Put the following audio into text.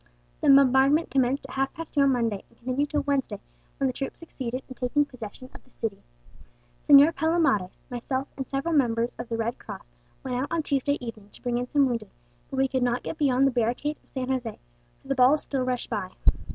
"The bombardment commenced at half past two on Monday, and continued till Wednesday, when the troops succeeded in taking possession of the city. "Señor Palomares, myself, and several members of the Red Cross went out on Tuesday evening to bring in some wounded; but we could not get beyond the barricade of San José, for the balls still rushed by.